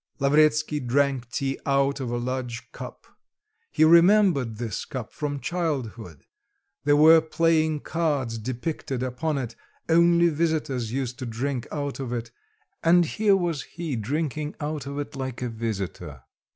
Lavretsky drank tea out of a large cup; he remembered this cup from childhood; there were playing cards depicted upon it, only visitors used to drink out of it and here was he drinking out if like a visitor.